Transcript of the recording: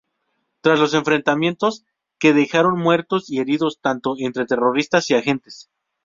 Tras los enfrentamientos, que dejaron muertos y heridos tanto entre terroristas y agentes.